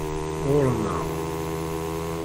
Ɣurren-aɣ.